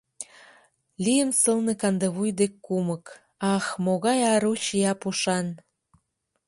Лийым сылне кандывуй дек кумык, Ах, могай ару чия пушан!